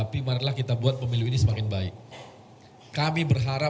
pemilu umum yang sudah dipercayai pasangan nomor urut satu